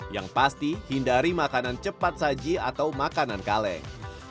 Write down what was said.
yang pasti hindari makanan cepat saji atau makanan kaleng